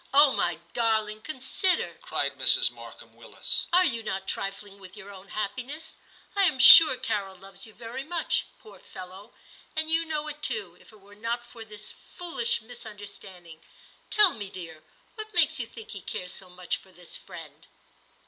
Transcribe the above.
*0h, my darling, consider,' cried Mrs. Markham Willis ;* are you not trifling with your own happiness "i I am sure Carol loves you very much, poor fellow ; and you know it too, if it were not for this foolish misunder standing. Tell me, dear, what makes you think he cares so much for this friend